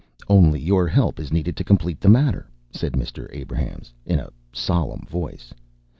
"Only your help is needed to complete the matter," said Mr. Abrahams, in a solemn voice.